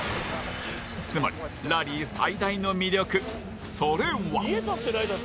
つまり、ラリー最大の魅力それは。